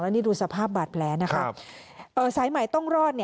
นี่ดูสภาพบาดแผลนะคะสายใหม่ต้องรอด